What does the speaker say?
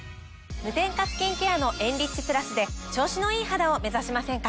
無添加スキンケアのエンリッチプラスで調子のいい肌を目指しませんか？